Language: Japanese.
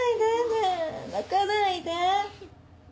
ねえ泣かないで。